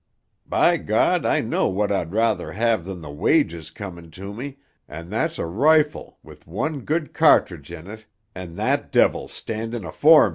By ——! I know what I'd ruther have than the wages comin' to me, and that's a rifle with one good cattridge in it and that —— standin' afore me."